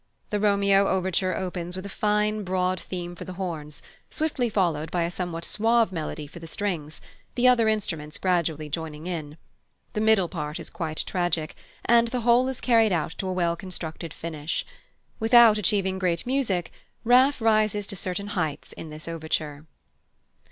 The Romeo overture opens with a fine broad theme for the horns, swiftly followed by a somewhat suave melody for the strings, the other instruments gradually joining in. The middle part is quite tragic, and the whole is carried out to a well constructed finish. Without achieving great music, Raff rises to certain heights in this overture.